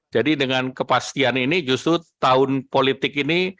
jadi dengan kepastian ini justru tahun politik ini